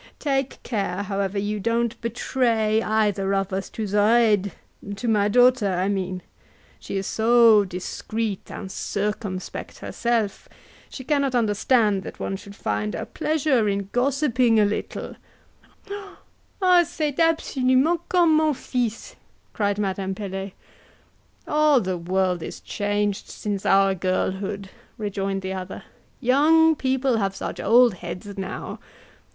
Take care, however, you don't betray either of us to Zoraide to my daughter, I mean; she is so discreet and circumspect herself, she cannot understand that one should find a pleasure in gossiping a little " "C'est absolument comme mon fils!" cried Madame Pelet. "All the world is so changed since our girlhood!" rejoined the other: "young people have such old heads now.